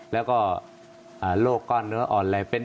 แล้วก็โรคก้อนเนื้ออ่อนแรง